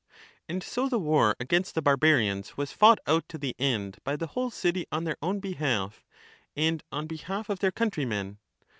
242 And so the war against the barbarians was fought out to the end by the whole city on their own behalf, and on behalf of their countrymen.